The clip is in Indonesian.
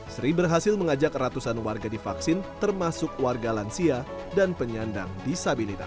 sri berhasil mengajak ratusan warga divaksin termasuk warga lansia dan penyandang disabilitas